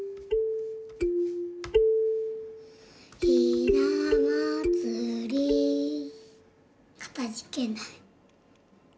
「ひなまつり」かたじけない。